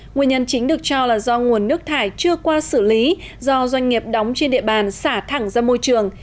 nguyên nhân chính được cho là do nguồn nước thải chưa qua xử lý do doanh nghiệp đóng trên địa bàn xả thẳng ra môi trường